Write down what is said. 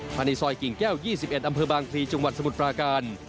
ภายในซอยกิ่งแก้ว๒๑อำเภอบางพลีจังหวัดสมุทรปราการ